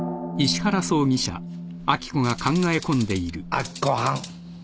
明子はん。